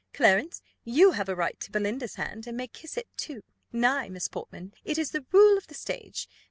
Clarence, you have a right to Belinda's hand, and may kiss it too: nay, Miss Portman, it is the rule of the stage.